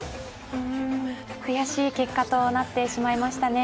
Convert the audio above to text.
悔しい結果となってしまいましたね。